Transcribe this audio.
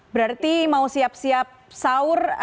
berarti mau siap siap sahur